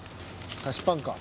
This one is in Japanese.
菓子パンか。